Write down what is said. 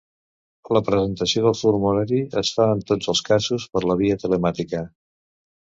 La presentació del formulari es fa en tots els casos per la via telemàtica.